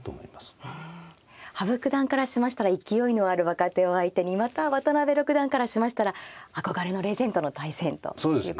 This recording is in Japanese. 羽生九段からしましたら勢いのある若手を相手にまた渡辺六段からしましたら憧れのレジェンドとの対戦ということになりますね。